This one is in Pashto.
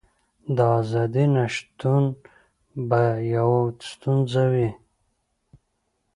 د ازادۍ نشتون به یوه ستونزه وي.